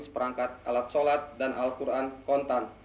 seperangkat alat sholat dan al quran kontan